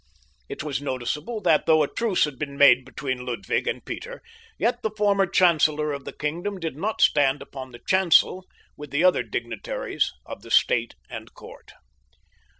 It was noticeable that though a truce had been made between Ludwig and Peter, yet the former chancellor of the kingdom did not stand upon the chancel with the other dignitaries of the State and court.